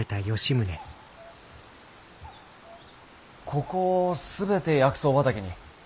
ここを全て薬草畑に。